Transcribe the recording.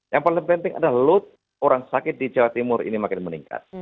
yang paling penting adalah load orang sakit di jawa timur ini makin meningkat